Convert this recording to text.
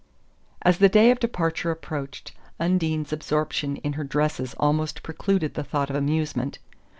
As the day of departure approached. Undine's absorption in her dresses almost precluded the thought of amusement.